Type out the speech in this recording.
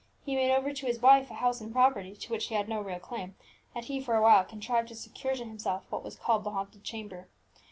He made over to his wife a house and property to which she had no real claim, and he for a while contrived to secure to himself what was called the haunted chamber.